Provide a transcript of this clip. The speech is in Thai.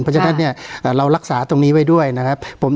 เพราะฉะนั้นเนี่ยเรารักษาตรงนี้ไว้ด้วยนะครับ